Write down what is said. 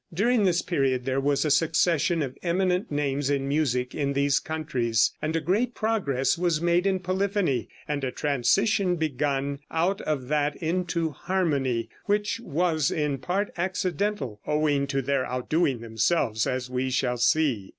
During this period there was a succession of eminent names in music in these countries, and a great progress was made in polyphony, and a transition begun out of that into harmony (which was in part accidental, owing to their outdoing themselves, as we shall see).